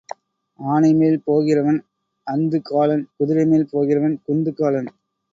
ஆனைமேல் போகிறவன் அந்து காலன் குதிரை மேல் போகிறவன் குந்து காலன்.